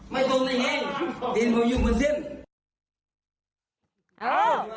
ไม่ตรงนั่งเอง